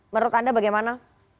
menurut anda bagaimana